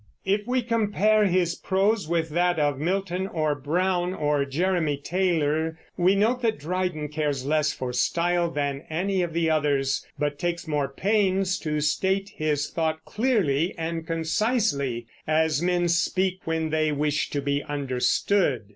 If we compare his prose with that of Milton, or Browne, or Jeremy Taylor, we note that Dryden cares less for style than any of the others, but takes more pains to state his thought clearly and concisely, as men speak when they wish to be understood.